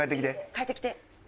帰ってきて。